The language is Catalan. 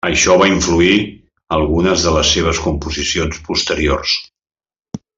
Això va influir algunes de les seves composicions posteriors.